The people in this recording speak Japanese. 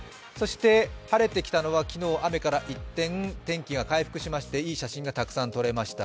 晴れてきたのは昨日、雨から一転、天気が回復しましていい写真がたくさん撮れました。